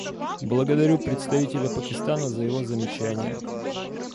Благодарю представителя Пакистана за его замечания.